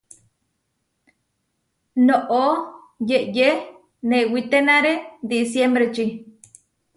Noʼó yeyé newítenare disiembreči.